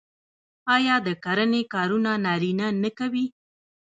آیا د کرنې کارونه نارینه نه کوي؟